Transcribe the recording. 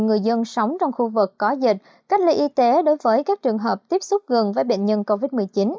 người dân sống trong khu vực có dịch cách ly y tế đối với các trường hợp tiếp xúc gần với bệnh nhân covid một mươi chín